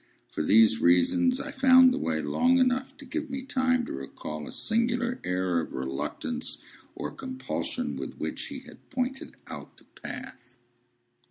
For these reasons, I found the way long enough to give me time to recall a singular air of reluctance or compulsion with which he had pointed out the path.